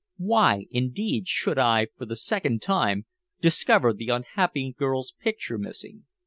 Why, indeed, should I, for the second time, discover the unhappy girl's picture missing?